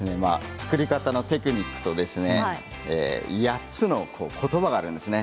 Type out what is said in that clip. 作り方のテクニックと８つの言葉があるんですね。